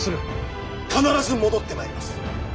必ず戻ってまいります。